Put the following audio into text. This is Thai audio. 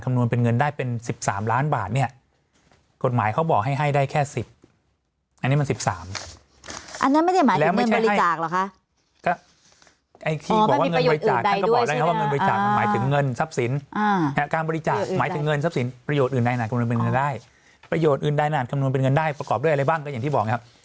ขมนวนเป็นเงินได้เป็นสิบสามล้านบาทเนี่ยกฎหมายเขาบอกให้ให้ได้แค่สิบอันนี้มันสิบสามอันนั้นไม่ใช่อาหารวะคะ